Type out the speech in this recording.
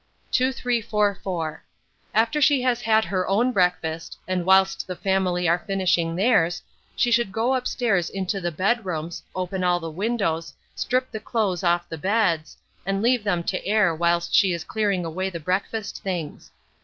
2344. After she has had her own breakfast, and whilst the family are finishing theirs, she should go upstairs into the bedrooms, open all the windows, strip the clothes off the beds, and leave them to air whilst she is clearing away the breakfast things.